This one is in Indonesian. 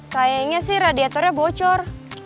kayaknya sih radiatornya bocor